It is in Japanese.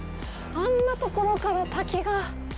あんなところから滝が。